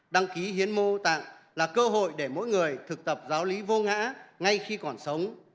đăng ký hiến mô tạng là cơ hội để mỗi người thực tập giáo lý vô ngã ngay khi còn sống